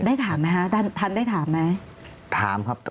ได้ถามไหมคะทานได้ถามไหม